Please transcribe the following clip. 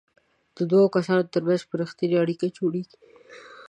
د دوو کسانو ترمنځ به ریښتینې اړیکه جوړیږي.